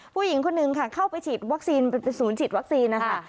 ผู้หญิงคนหนึ่งค่ะเข้าไปฉีดวัคซีนเป็นศูนย์ฉีดวัคซีนนะคะ